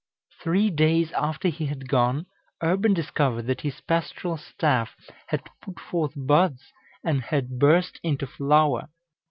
three days after he had gone, Urban discovered that his pastoral staff had put forth buds, and had burst into flower.